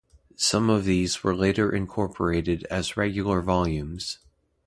Some of these were later incorporated as regular volumes.